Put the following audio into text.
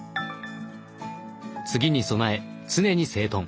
「次に備え常に整頓」。